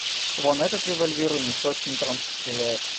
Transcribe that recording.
Вон этот револьвер у них очень громко стреляет.